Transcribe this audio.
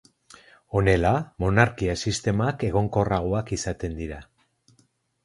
Honela, monarkia-sistemak egonkorragoak izaten dira.